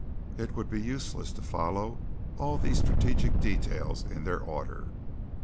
It would be useless to follow all these strategic details in their order.